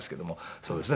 そうですか。